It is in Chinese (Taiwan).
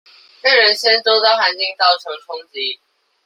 對原先週遭環境造成衝擊